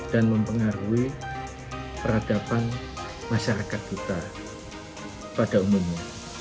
dan mempengaruhi peradaban masyarakat kita pada umumnya